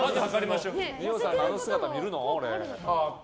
二葉さんの、あの姿見るの？